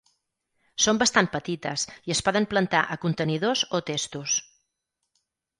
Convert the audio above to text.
Són bastant petites i es poden plantar a contenidors o testos.